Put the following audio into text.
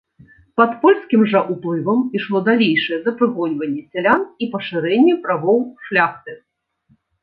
Пад польскім жа ўплывам ішло далейшае запрыгоньванне сялян і пашырэнне правоў шляхты.